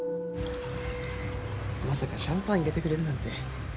まさかシャンパン入れてくれるなんて。